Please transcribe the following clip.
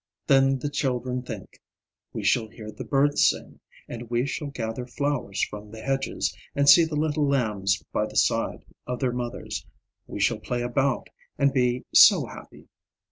Then the children think, "We shall hear the birds sing, and we shall gather flowers from the hedges, and see the little lambs by the side of their mothers; we shall play about, and be so happy."